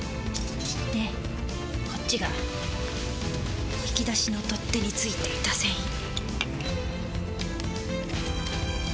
でこっちが引き出しの取っ手についていた繊維。